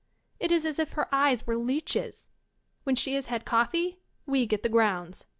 It is as if her eyes were leeches. When she has had coffee, we get the grounds.